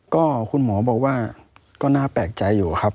ก็คุณหมอบอกว่าก็น่าแปลกใจอยู่ครับ